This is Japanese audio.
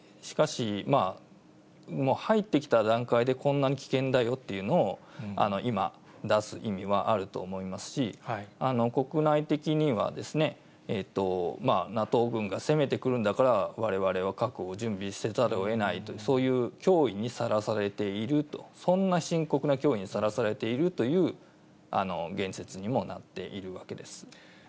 しかし、入ってきた段階で、こんなに危険だよっていうのを、今、出す意味はあると思いますし、国内的にはですね、ＮＡＴＯ軍が攻めてくるんだから、われわれは核を準備せざるをえないという、そういう脅威にさらされていると、そんな深刻な脅威にさらされているという言説にもなっているわけです。